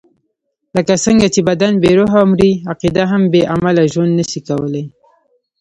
لکه څنګه چې بدن بې روح مري، عقیده هم بې عمله ژوند نشي کولای.